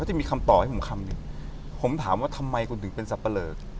จะมีคำตอบให้ผมคำหนึ่งผมถามว่าทำไมคุณถึงเป็นสับปะเลอ